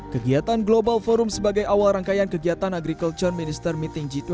kegiatan global forum sebagai awal rangkaian kegiatan agriculture minister meeting g dua puluh